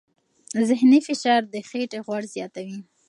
ذهني فشار د خېټې غوړ زیاتوي.